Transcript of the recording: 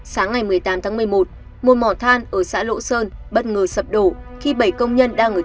sáng ngày một mươi tám tháng một mươi một một mỏ than ở xã lộ sơn bất ngờ sập đổ khi bảy công nhân đang ở